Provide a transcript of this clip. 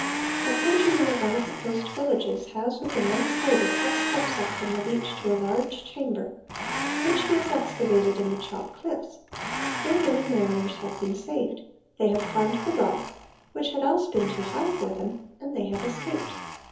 A clergyman of one of the coast villages has with immense labour cut steps up from the beach to a large chamber, which he has excavated in the chnlk cliffs ; here many mariners have been saved ; they have climbed the rock, which had else been too high for them, and they have escaped.